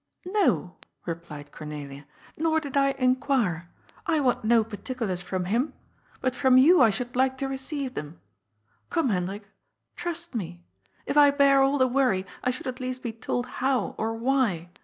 " No," replied Cornelia, " nor did I inquire. I want no particulars from him. But from you I should like to re ceive them. Come, Hendrik. Trust me. If I bear all the worry, I should at least be told how or why.